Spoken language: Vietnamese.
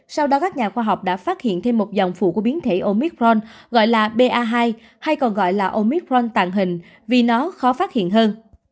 sau đó các nhà khoa học đã phát hiện thêm một dòng phụ của biến thể omicron gọi là ba hai hay còn gọi là omitront tàn hình vì nó khó phát hiện hơn